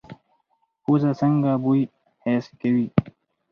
پوزه څنګه بوی حس کوي؟